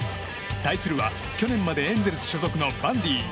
対するは去年までエンゼルス所属のバンディ。